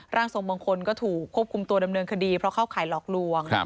ร่างทรงบางคนก็ถูกควบคุมตัวดำเนินคดีเพราะเข้าข่ายหลอกลวง